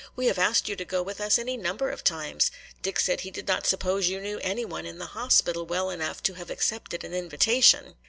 We have asked you to go with us any number of times. Dick said he did not suppose you knew any one in the hospital well enough to have accepted an invitation."